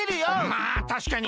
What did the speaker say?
まあたしかに。